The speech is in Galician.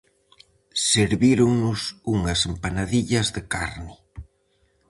Servíronnos unhas empanadillas de carne.